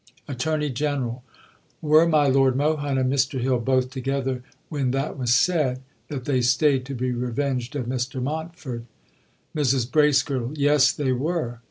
"ATTORNEY GENERAL: 'Were my Lord Mohun and Mr Hill both together when that was said, that they stayed to be revenged of Mr Montford?' "MRS BRACEGIRDLE: 'Yes, they were.